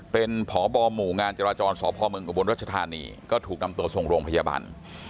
เป็นพบหมู่งานจราจรสพเมืองอุบลรัชธานีก็ถูกนำตัวส่งโรงพยาบาล